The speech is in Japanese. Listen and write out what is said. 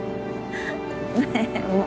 ねえもう。